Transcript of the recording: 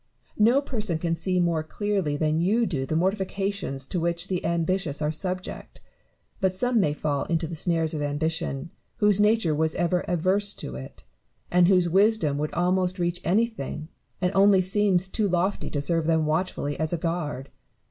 No person can see more clearly than you do the mortifications to which the ambitious are subject ; but some may fall into the snares of ambition whose nature was ever averse to it, and whose wisdom would almost reach anything, and only seems too lofty to serve them watchfully as a guard.